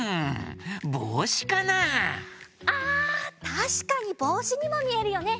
たしかにぼうしにもみえるよね。